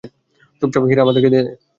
চুপচাপ হীরা আমাদেরকে দিয়ে দে।